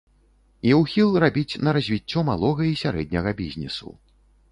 І ўхіл рабіць на развіццё малога і сярэдняга бізнесу.